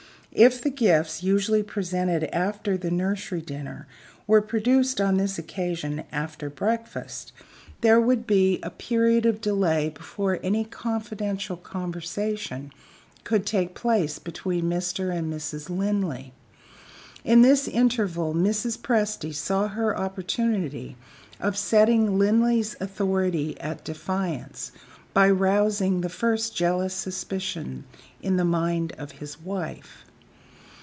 If the gifts, usually presented after the nursery dinner, were produced on this occasion after breakfast, there would be a period of delay before any confidential conversation could take place between Mr. and Mrs. Linley. In this interval Mrs. Presty saw her opportunity of setting Linley's authority at defiance, by rousing the first jealous suspicion in the mind of his wife.